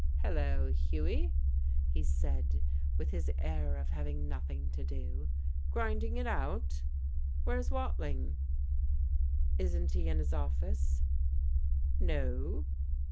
"Hello, Hughie," he said, with his air of having nothing to do. "Grinding it out? Where's Watling?" "Isn't he in his office?" "No."